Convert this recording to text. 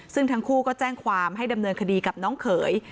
ซึ่งทั้งคู่ก็แจ้งความให้ดำเนินคดีกับน้องเขย